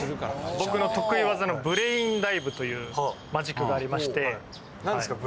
僕の得意技のブレインダイブというマジックがありまして何ですか？